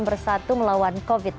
bersatu melawan covid sembilan